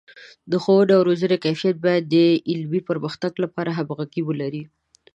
د ښوونې او روزنې کیفیت باید د علمي پرمختګ سره همغږي ولري.